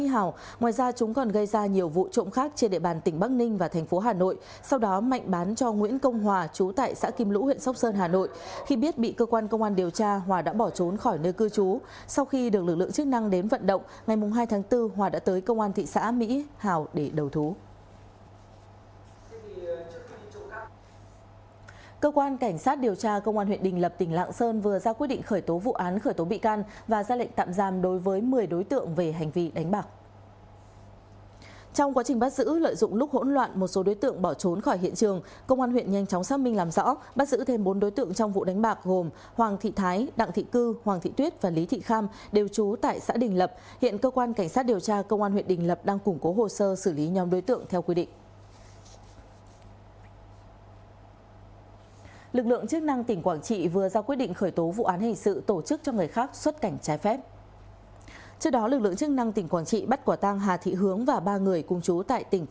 hoàng thị thái đặng thị cư hoàng thị tuyết và lý thị kham đều trú tại xã đình lập